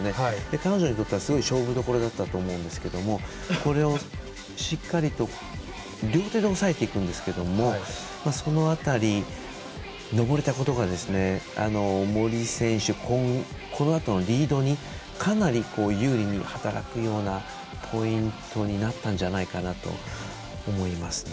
彼女にとっては勝負どころだったと思うんですけどもこれをしっかりと、両手で押さえていくんですけどもその辺り、登れたことが森選手、このあとのリードにかなり有利に働くようなポイントになったんじゃないかなと思いますね。